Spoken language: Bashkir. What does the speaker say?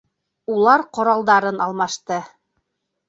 Улар ҡоралдарын алмашты.